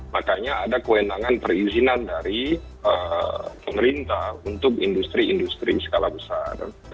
makanya ada kewenangan perizinan dari pemerintah untuk industri industri skala besar